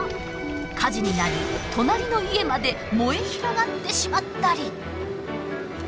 火事になり隣の家まで燃え広がってしまったり。